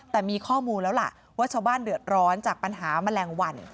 แต่มีข้อมูลแล้วล่ะว่าชาวบ้านเดือดร้อนจากปัญหาแมลงวัน